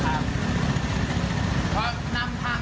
ผมขึ้นไก่ก่อนครับ